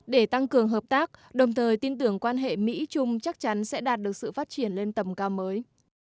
để tăng cường hợp tác đồng thời tin tưởng quan hệ mỹ trung chắc chắn sẽ đạt được sự phát triển lên tầm cao mới